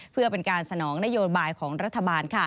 เพื่อเป็นการสนองนโยบายของรัฐบาล